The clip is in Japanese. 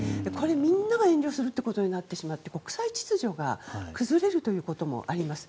みんなが遠慮するということになって国際秩序が崩れるということもあります。